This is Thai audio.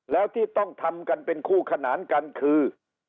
แล้วที่ต้องทำกันเป็นคู่ขนานกันคือ